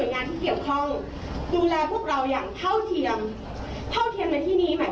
จำนวนตัวเลขผู้ติดเชื้อไม่ลดลง